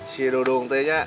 si dudung tehnya